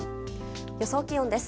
予想気温です。